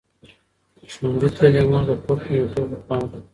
ښوونځې تللې مور د کور خوندیتوب ته پام کوي.